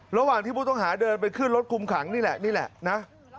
ระหว่างที่ผู้ต้องหาเดินไปขึ้นรถคุมขังนี่แหละ